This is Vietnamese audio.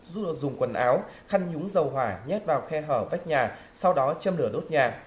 rụa dùng quần áo khăn nhúng dầu hỏa nhét vào khe hở vách nhà sau đó châm lửa đốt nhà